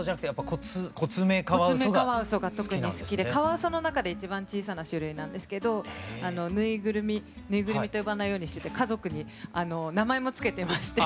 コツメカワウソが特に好きでカワウソの中で一番小さな種類なんですけど縫いぐるみ縫いぐるみと呼ばないようにしてて家族に名前も付けてまして。